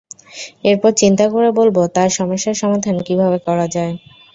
এরপর চিন্তা করে বলব, তার সমস্যার সমাধান কিভাবে করা যায়।